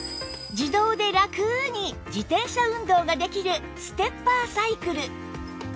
自動でラクに自転車運動ができるステッパーサイクル